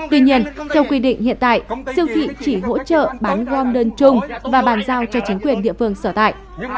tuy nhiên theo quy định hiện tại siêu thị chỉ hỗ trợ bán gom đơn chung và bàn giao cho chính quyền địa phương sở tại